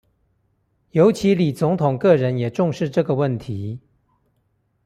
尤其李總統個人也重視這個問題